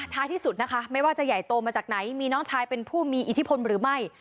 ที่สุดนะคะไม่ว่าจะใหญ่โตมาจากไหนมีน้องชายเป็นผู้มีอิทธิพลหรือไม่